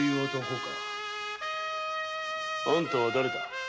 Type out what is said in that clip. あんたはだれだ？